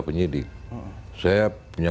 penyidik saya punya